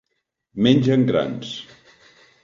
Mengen grans.